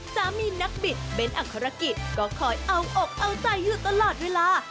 สามีนักบิดเบ้นอักษรกิจก็คอยเอาอกเอาใจอยู่ตลอดเวลา